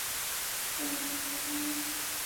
高山通泉草为玄参科通泉草属下的一个种。